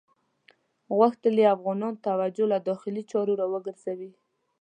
غوښتل یې افغانانو توجه له داخلي چارو وګرځوي.